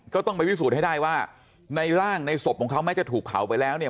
ก็ต้องไปพิสูจน์ให้ได้ว่าในร่างในศพของเขาแม้จะถูกเผาไปแล้วเนี่ย